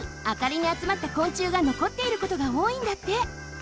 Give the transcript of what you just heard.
あかりにあつまった昆虫がのこっていることがおおいんだって。